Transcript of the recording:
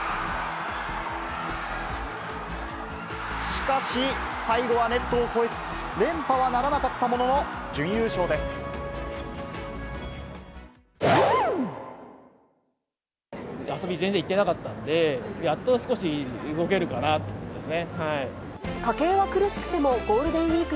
しかし、最後はネットを越えず、連覇はならなかったものの、準優勝です。